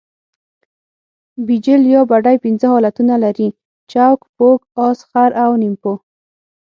بیجل یا بډۍ پنځه حالتونه لري؛ چوک، پوک، اس، خر او نیمپو.